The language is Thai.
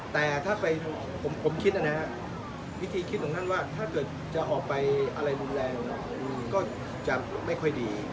แต่ถ้าไปผมคิดนะครับวิธีคิดตรงนั้นว่าถ้าเกิดจะออกไปอะไรรุนแรงก็จะไม่ค่อยดี